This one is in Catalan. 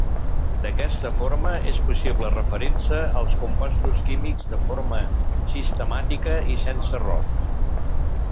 D'aquesta forma, és possible referir-se als compostos químics de forma sistemàtica i sense errors.